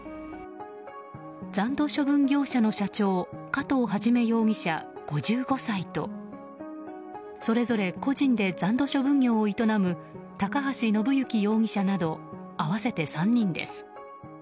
残土処分業者の社長加藤肇容疑者、５５歳とそれぞれ個人で残土処分業を営む高橋信行容疑者など合わせて３人です。